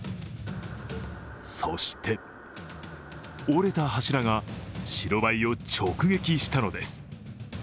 そして折れた柱が白バイを直撃したのです。